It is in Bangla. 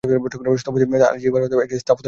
স্থপতি রফিক আজম এটির স্থাপত্য ডিজাইন তৈরী করেন।